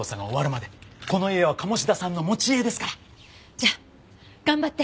じゃあ頑張って。